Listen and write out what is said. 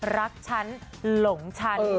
รักฉันหลงฉัน